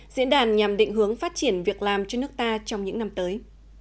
diễn đàn nhằm định hướng phát triển việc làm cho nước ta trong những năm tới